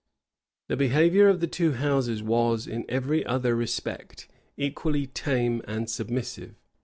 [*] The behavior of the two houses was, in every other respect, equally tame and submissive.